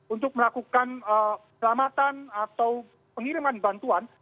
untuk melakukan selamatan atau pengiriman bantuan